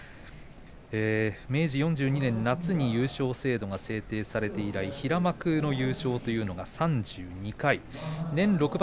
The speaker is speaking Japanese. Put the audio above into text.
明治４２年に優勝制度が制定されて以来平幕の優勝は３２回。